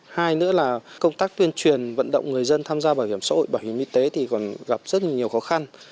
hai nữa là công tác tuyên truyền vận động người dân tham gia bảo hiểm xã hội bảo hiểm y tế thì còn gặp rất nhiều khó khăn